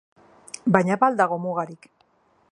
Baina ba al dago mugarik?